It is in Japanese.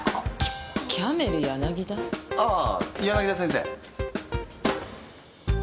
ああ柳田先生。